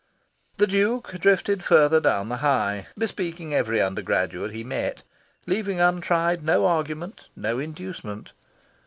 The Duke drifted further down the High, bespeaking every undergraduate he met, leaving untried no argument, no inducement.